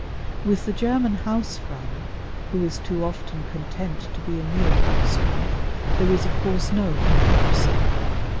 With the German haus frau, who is too often content to be a mere housewife, there is of course no comparison.